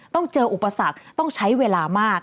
ต้องเจออุปสรรคต้องใช้เวลามาก